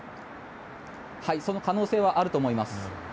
その可能性はあると思います。